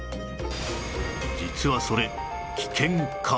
実はそれ危険かも